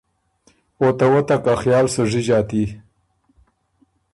او ته وتک ا خیاله سُو ژی ݫاتي۔